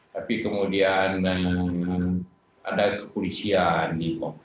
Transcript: tapi kemudian ada kepolisian di bom